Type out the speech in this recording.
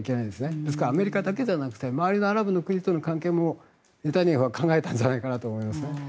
ですから、アメリカだけじゃなくて周りのアラブの国との関係をネタニヤフは考えたんじゃないかなと思います。